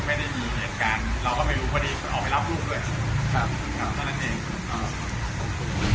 เพราะนั้นเอง